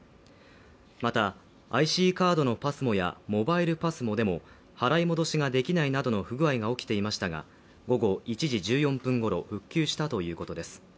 また、ＩＣカードのＰＡＳＭＯやモバイルＰＡＳＭＯでも払い戻しができないなどの不具合が起きていましたが午後１時１４分ごろ、復旧したということです。